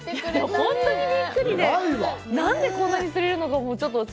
本当にびっくりで、何でこんなに釣れるのって。